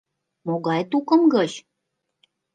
Могай тукым гыч?